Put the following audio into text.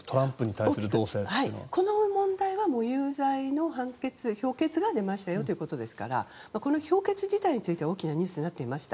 この問題は有罪の評決が出ましたよということですからこの評決自体は大きなニュースになっていました。